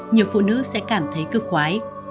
nhiều phụ nữ sẽ cảm thấy cực quái